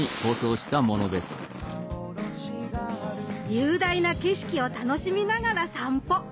雄大な景色を楽しみながら散歩。